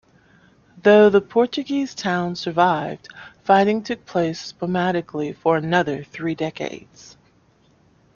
Though the Portuguese town survived, fighting took place spasmodically for another three decades.